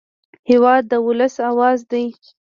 هېواد د وصل اواز دی.